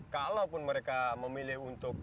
kalaupun mereka memilih untuk